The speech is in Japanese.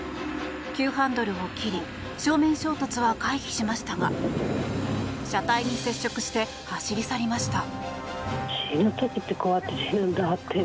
急ハンドルを切り正面衝突は回避しましたが車体に接触して走り去りました。